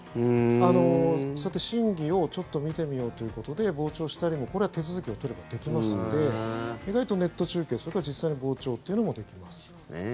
そうやって審議をちょっと見てみようということで傍聴したりも、これは手続きを取ればできますので意外とネット中継、それから実際の傍聴というのもできます。